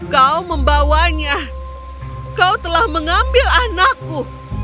kau membawanya kau telah mengambil anakku